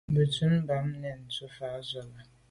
Benntùn bam, nèn dù’ fà’ sobe.